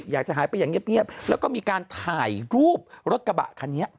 อยากจะหายไปอย่างเงียบแล้วก็มีการถ่ายรูปรถกระบะคันนี้